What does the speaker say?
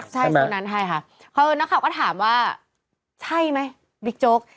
ใช่ไหมใช่ค่ะคือนักขับก็ถามว่าใช่ไหมบิ๊กโจ๊ก